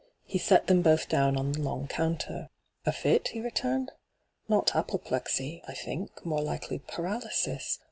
He set them both down on the long counter. 'A fit ?' he returned. ' Not apoplexy — I think, more likely paralysis.